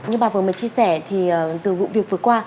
như bà vừa mới chia sẻ thì từ vụ việc vừa qua